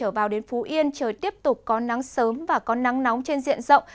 ở vào đến phú yên trời tiếp tục có nắng sớm và có nắng nóng trên diện rộng